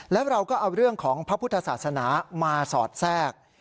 แล้วเราก็เอาเรื่องของพระพุทธศาสนามาสอดแทรก